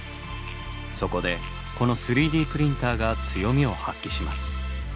そこでこの３Ｄプリンターが強みを発揮します。